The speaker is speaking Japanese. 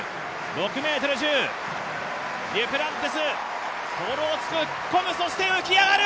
６ｍ１０、デュプランティスポールを突っ込むそして浮き上がる！